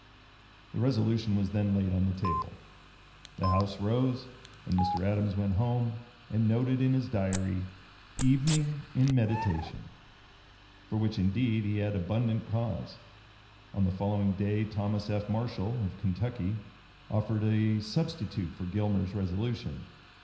'" The resolution was then laid on the table. The House rose, and Mr. Adams went home and noted in his Diary, "evening in meditation," for which indeed he had abundant cause. On the following day Thomas F. Marshall, of Kentucky, offered a substitute for Gilmer's resolution.